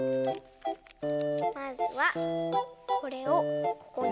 まずはこれをここにはります。